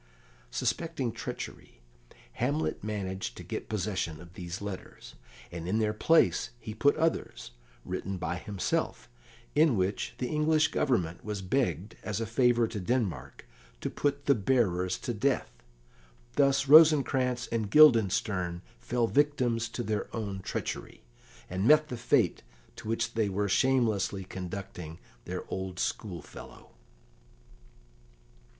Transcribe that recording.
Suspecting treachery, Hamlet managed to get possession of these letters, and in their place he put others, written by himself, in which the English Government was begged, as a favour to Denmark, to put the bearers to death. Thus Rosencrantz and Guildenstern fell victims to their own treachery, and met the fate to which they were shamelessly conducting their old schoolfellow.